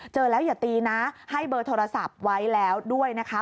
เจอแล้วอย่าตีนะให้เบอร์โทรศัพท์ไว้แล้วด้วยนะคะ